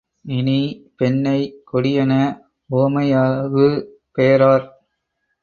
இனி, பெண்ணைக் கொடியென உவமையாகுபெயராற்